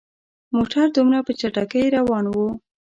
موټر دومره په چټکۍ روان وو.